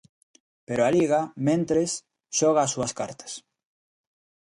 Pero a Liga, mentres, xoga as súas cartas.